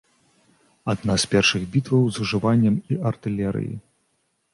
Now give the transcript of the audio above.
Адна з першых бітваў з ужываннем і артылерыі.